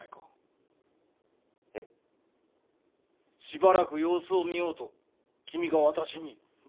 しばらく様子を見ようと君が私に。